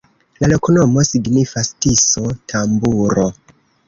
La loknomo signifas: Tiso-tamburo.